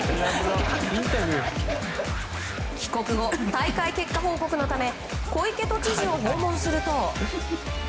帰国後大会結果報告のため小池都知事を訪問すると。